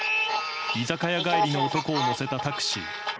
居酒屋帰りの男を乗せたタクシー。